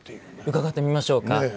伺ってみましょうか。